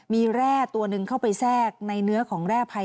มีแร่ตัวหนึ่งเข้าไปแทรกในเนื้อของแร่ภัย